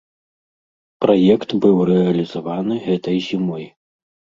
Праект быў рэалізаваны гэтай зімой.